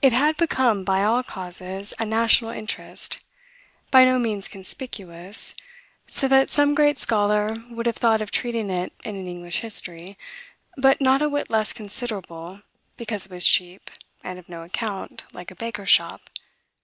It had become, by all causes, a national interest, by no means conspicuous, so that some great scholar would have thought of treating it in an English history, but not a whit less considerable, because it was cheap, and of no account, like a baker's shop.